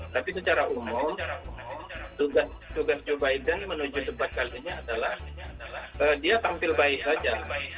tapi secara umum tugas joe biden menuju debat kali ini adalah dia tampil baik saja